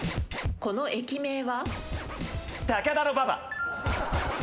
この駅名は？